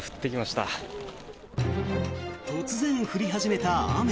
突然、降り始めた雨。